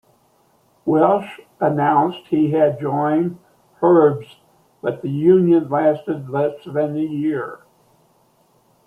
Walsh announced he had joined Herbs, but the union lasted less than a year.